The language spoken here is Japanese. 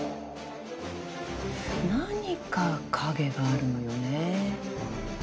何か陰があるのよね。